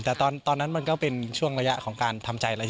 แต่ตอนนั้นมันก็เป็นช่วงระยะของการทำใจอะไร